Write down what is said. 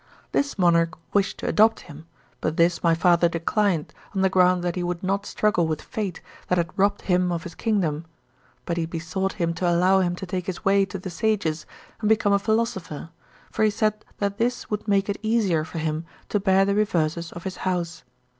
This monarch wished to adopt him, but this _ my father declined on the ground that he would not _ struggle with fate that had robbed him of his _ kingdom; but he besought him 'to allow him to take _ his way to the sages and become a philosopher, for he said that this would make it easier for him to bear _ the reverses of his house.